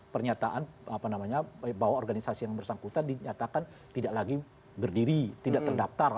pernyataan bahwa organisasi yang bersangkutan dinyatakan tidak lagi berdiri tidak terdaftar